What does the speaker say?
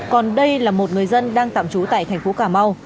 còn đây là một người dân đang tạm trú tại thành phố cà mau